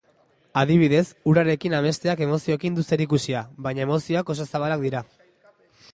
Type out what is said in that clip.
Adibidez, urarekin amesteak emozioekin du zerikusia, baina emozioak oso zabalak dira.